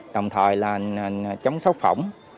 đồng thời là chống sóc phỏng